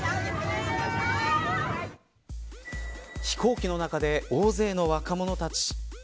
飛行機の中で大勢の若者たち。